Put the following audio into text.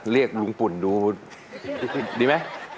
เรียกลุงปุ่นดูดีไหม